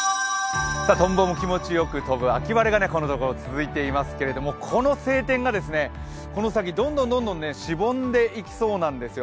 トンボも気持ちよく飛ぶ秋晴れがこのところ続いていますけれども、この晴天がこの先どんどんしぼんでいきそうなんですよ。